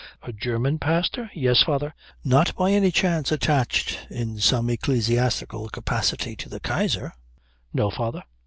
"A German pastor?" "Yes, father." "Not by any chance attached in some ecclesiastical capacity to the Kaiser?" "No, father."